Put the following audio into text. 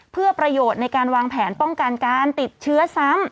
เพื่อประโยชน์ในการวางแผนป้องกันการติดเชื้อซ้ำ